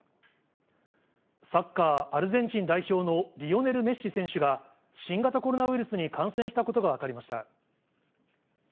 サッカーアルゼンチン代表のリオネル・メッシ選手が、新型コロナウイルスに感染したことが分かりました。